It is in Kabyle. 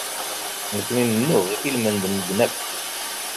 Nekkni nennuɣ i lmend n medden akk.